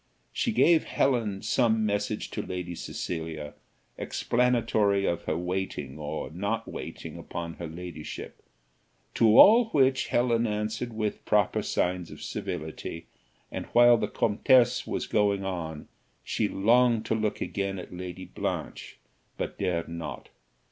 She gave Helen some message to Lady Cecilia, explanatory of her waiting or not waiting upon her ladyship, to all which Helen answered with proper signs of civility; and while the comtesse was going on, she longed to look again at Lady Blanche, but dared not.